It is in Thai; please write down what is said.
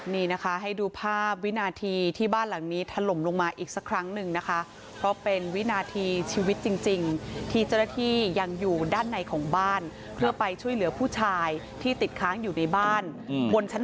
นี่นะคะให้ดูภาพวินาทีที่บ้านหลังนี้ถล่มลงมาอีกสักครั้งหนึ่งนะคะเพราะเป็นวินาทีชีวิตจริงที่เจ้าหน้าที่ยังอยู่ด้านในของบ้านเพื่อไปช่วยเหลือผู้ชายที่ติดค้างอยู่ในบ้านบนชั้น